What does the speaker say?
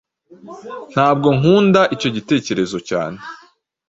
Ntabwo nkunda icyo gitekerezo cyane.